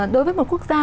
đối với một quốc gia